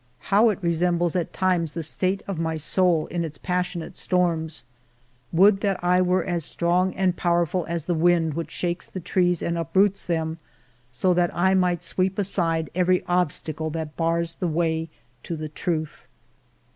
How it resembles at times the state of my soul in its passionate storms ! Would that I were as strong and powerful as the wind which shakes the trees and uproots them, so that I might sweep aside every obstacle that bars the way to the truth